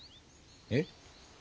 えっ？